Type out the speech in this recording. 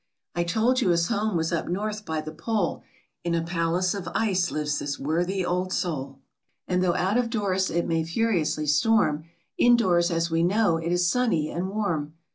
I told you his home was up North by the Pole, In a palace of ice lives this worthy old soul, And though out of doors it may furiously storm, Indoors as we know, it is sunny and warm.